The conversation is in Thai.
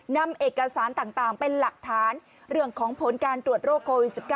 นำเอกสารต่างเป็นหลักฐานเรื่องของผลการตรวจโรคโควิด๑๙